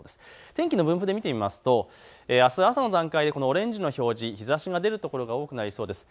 天気の分布で見てみますとあす朝の段階でオレンジの表示、日ざしが出る所が多くなりそうです。